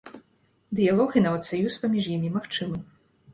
Дыялог і нават саюз паміж імі магчымы.